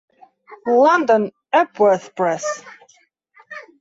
London: Epworth Press.